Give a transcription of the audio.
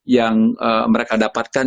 yang mereka dapatkan